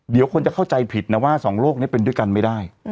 เดี๋ยวคนจะเข้าใจผิดนะว่าสองโลกนี้เป็นด้วยกันไม่ได้